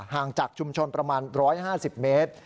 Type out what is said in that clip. ห่างจากชุมชนประมาณ๑๕๐เมตร